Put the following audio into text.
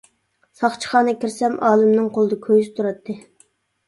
ساقچىخانىغا كىرسەم ئالىمنىڭ قولىدا كويزا تۇراتتى.